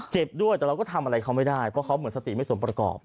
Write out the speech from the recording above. เจ็บด้วยแต่เราก็ทำอะไรเขาไม่ได้เพราะเขาเหมือนสติไม่สมประกอบ